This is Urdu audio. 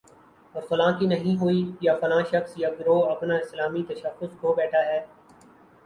اور فلاں کی نہیں ہوئی، یا فلاں شخص یا گروہ اپنا اسلامی تشخص کھو بیٹھا ہے